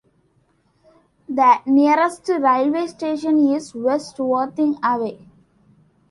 The nearest railway station is West Worthing, away.